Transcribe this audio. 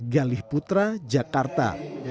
galih putra jakarta